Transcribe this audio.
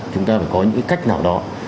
chúng ta phải có những cách nào đó